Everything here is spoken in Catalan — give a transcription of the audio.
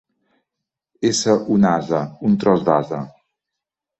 Ésser un ase, un tros d'ase.